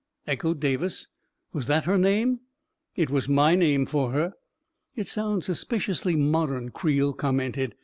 echoed Davis. "Was that her name ?"" It was my name for her." " It sounds suspiciously modern," Creel com mented.